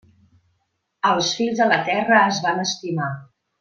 Els Fills de la Terra es van estimar.